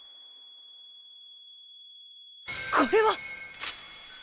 これは！